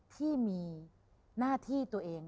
ที่มีหน้าที่ตัวเอง